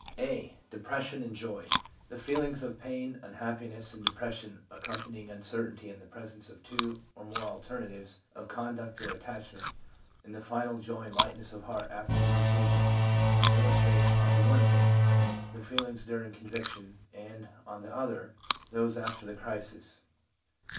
(a) Depression and Joy. The feelings of pain, unhappiness and depression accompanying uncertainty in the presence of two or more alternatives of conduct or attachment, and the final joy and lightness of heart after the decision, illus trate, on the one hand, the feelings during conviction, and, on the other, those after the crisis.